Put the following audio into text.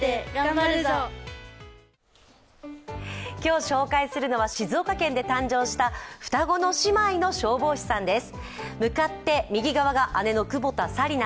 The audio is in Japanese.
今日紹介するのは、静岡県で誕生した双子の姉妹の消防士さんです。